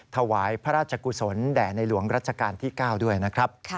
ถวายพระราชกุศลแด่ในหลวงรัชกาลที่๙ด้วยนะครับ